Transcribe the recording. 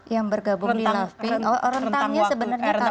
yang bergabung di love